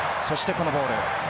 そしてこのボール。